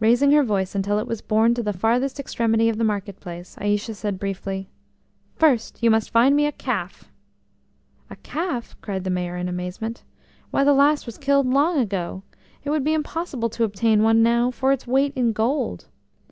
Raising her voice until it was borne to the farthest extremity of the market place, Aïcha said briefly: "First you must find me a calf!" "A calf?" cried the Mayor in amazement. "Why, the last was killed long ago. It would be impossible to obtain one now for its weight in gold."